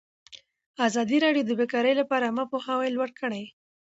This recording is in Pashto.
ازادي راډیو د بیکاري لپاره عامه پوهاوي لوړ کړی.